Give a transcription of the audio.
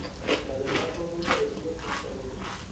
Además son muy parecidos físicamente.